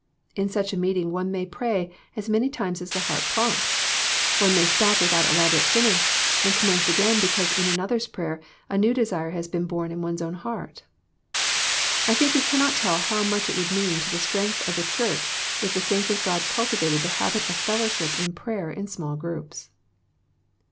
In such a meeting one may pray as many times as the heart prompts. One may stop without elaborate finish, and commence again because in another's prayer a new desire has been born in one's own heart. I think we cannot tell how much it would mean to the strength of the Church if the saints of God cultivated the habit of fellowship in prayer in small groups.